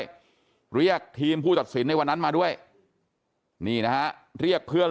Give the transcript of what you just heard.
เหตุมาด้วยเรียกทีมผู้ตัดสินในวันนั้นมาด้วยนี่นะเรียกเพื่อน